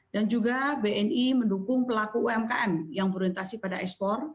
dan juga bni mendukung pelaku umkm yang berorientasi pada ekspor